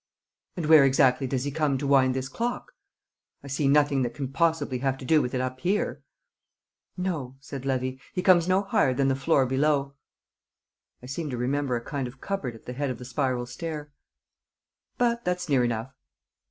"And where exactly does he come to wind this clock? I see nothing that can possibly have to do with it up here." "No," said Levy; "he comes no higher than the floor below." I seemed to remember a kind of cupboard at the head of the spiral stair. "But that's near enough."